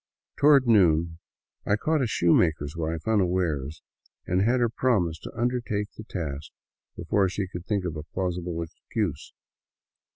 Toward noon I caught a shoemaker's wife unawares, and had her promise to undertake the task before she could think of a plausible excuse.